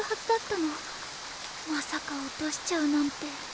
まさか落としちゃうなんて。